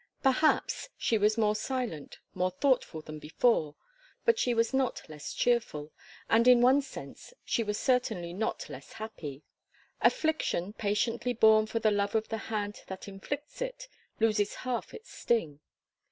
Perhaps, she was more silent, more thoughtful, than before; but she was not less cheerful, and in one sense she was certainly not less happy. Affliction patiently borne for the love of the hand that inflicts it, loses half its sting.